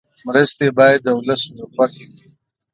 مرستې باید د ولس له خوښې وي.